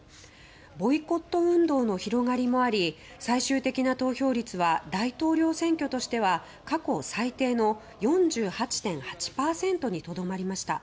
ボイコット運動の広がりもあり最終的な投票率は大統領選挙としては過去最低の４８．８％にとどまりました。